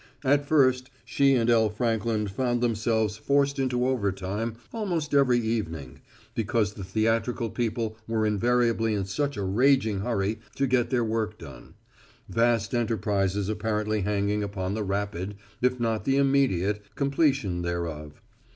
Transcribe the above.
At first, she and L. Frankland found themselves forced into overtime almost every evening, because the theatrical people were invariably in such a raging hurry to get their work done, vast enterprises apparently hanging upon the rapid, if not the immediate, completion thereof.